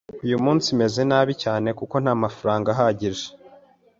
Uyu munsi meze nabi cyane kuko ntamafaranga ahagije.